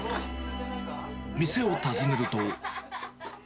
店を訪ねると。